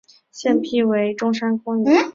现辟为中山公园。